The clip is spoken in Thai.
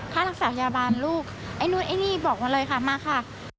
ค่ารักษาพยาบาลลูกไอ้นู่นไอ้นี่บอกมาเลยค่ะมาค่ะ